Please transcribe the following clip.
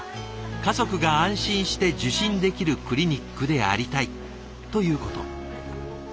「家族が安心して受診できるクリニックでありたい」ということ。